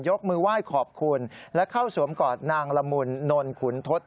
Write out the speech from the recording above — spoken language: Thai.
มือไหว้ขอบคุณและเข้าสวมกอดนางละมุนนขุนทศ